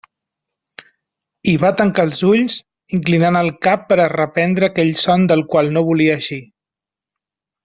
I va tancar els ulls, inclinant el cap per a reprendre aquell son del qual no volia eixir.